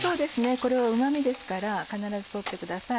これはうま味ですから必ず取ってください。